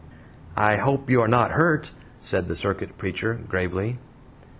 "I hope you are not hurt?" said the circuit preacher, gravely.